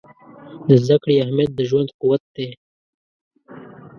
د زده کړې اهمیت د ژوند قوت دی.